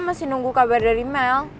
masih nunggu kabar dari mel